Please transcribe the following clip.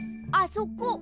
あそこ！